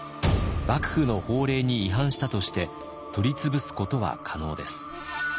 幕府の法令に違反したとして取り潰すことは可能です。